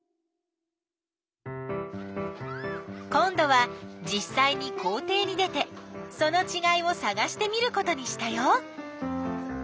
今どはじっさいに校ていに出てそのちがいをさがしてみることにしたよ。